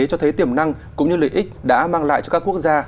cho thấy tiềm năng cũng như lợi ích đã mang lại cho các quốc gia